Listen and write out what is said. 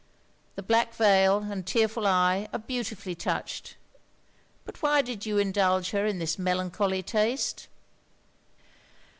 The black veil, and tearful eye, are beautifully touched. But why did you indulge her in this melancholy taste?'